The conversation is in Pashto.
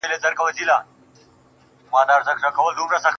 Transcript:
o د شاعرۍ ياري كړم.